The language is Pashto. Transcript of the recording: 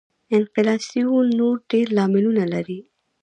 انفلاسیون نور ډېر لاملونه لري.